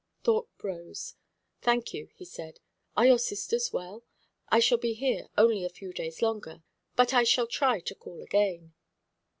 Thorpe rose. "Thank you," he said. "Are your sisters well? I shall be here only a few days longer, but I shall try to call again."